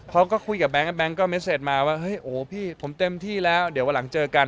เขาก็คุยกับแบงค์แบงค์ก็เม็ดเสร็จมาว่าเฮ้ยโอ้พี่ผมเต็มที่แล้วเดี๋ยววันหลังเจอกัน